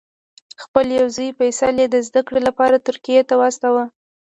خپل یو زوی فیصل یې د زده کړې لپاره ترکیې ته واستاوه.